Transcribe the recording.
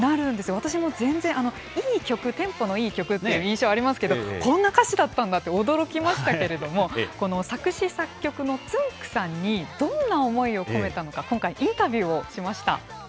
私も全然いい曲、テンポのいい曲っていう印象ありますが、こんな歌詞だったんだって驚きましたけど、作詞作曲のつんく♂さんに、どんな思いを込めたのか、今回、インタビューをしました。